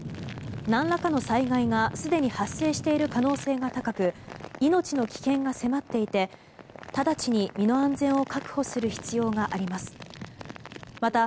何らかの災害がすでに発生している可能性が高く命の危険が迫っていて直ちに身の安全を確保する必要があります。